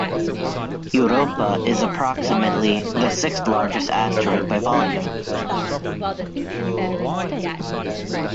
Europa is approximately the sixth largest asteroid by volume.